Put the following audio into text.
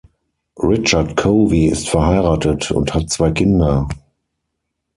Richard Covey ist verheiratet und hat zwei Kinder.